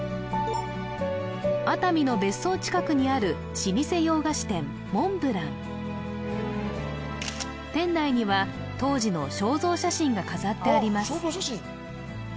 熱海の別荘近くにある老舗洋菓子店モンブラン店内には当時の肖像写真が飾ってあります